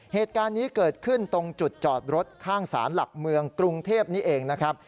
เหตุการณ์นี้เกิดขึ้นตรงจุดจอดรถข้างสารหลักเมืองกรุงเทพนี่เองนะครับ